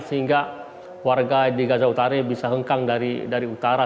sehingga warga di gaza utara bisa hengkang dari utara